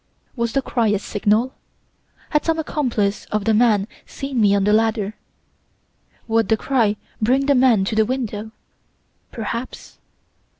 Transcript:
Was the cry a signal? Had some accomplice of the man seen me on the ladder! Would the cry bring the man to the window? Perhaps!